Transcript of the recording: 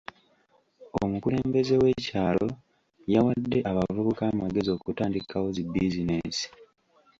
Omukulembeze w'ekyalo yawadde abavubuka amagezi okutandikawo zi bizinensi